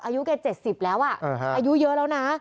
อายุแก๗๐แล้วอายุเยอะแล้วนะ